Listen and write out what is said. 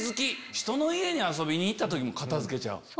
ひとの家に遊びに行った時も片付けちゃう。